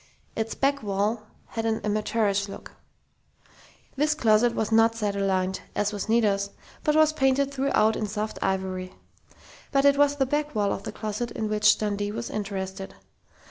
Its back wall had an amateurish look. This closet was not cedar lined, as was Nita's, but was painted throughout in soft ivory. But it was the back wall of the closet in which Dundee was interested.